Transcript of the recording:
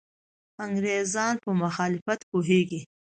انګریزان په مخالفت پوهېږي.